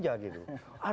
ada yang memberitakan